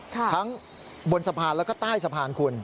ทั้งบนสะพานแล้วก็ใต้สะพานคุณ